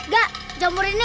gak jamur ini ngapain